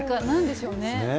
なんでしょうね。